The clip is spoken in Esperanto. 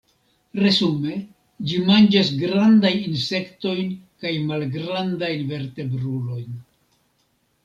Resume ĝi manĝas grandajn insektojn kaj malgrandajn vertebrulojn.